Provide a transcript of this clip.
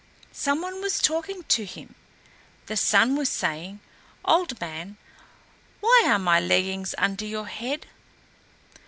Some one was talking to him. The Sun was saying, "Old Man, why are my leggings under your head?"